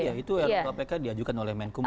iya itu kpk diajukan oleh menkum